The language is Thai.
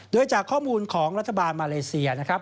โดยจากข้อมูลของรัฐบาลมาเลเซียนะครับ